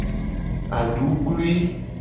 Aduklui.